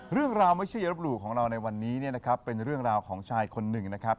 เรื่องราวไม่เชื่ออย่ารบหลู่ของเราในวันนี้เนี่ยนะครับเป็นเรื่องราวของชายคนหนึ่งนะครับ